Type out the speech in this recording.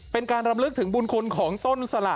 เป็นการรำลึกถึงบุญคุณของต้นสละ